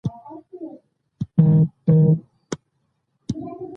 د ګوراني مشرانو په مرسته یې له خلکو باج اخیستل پیل کړل.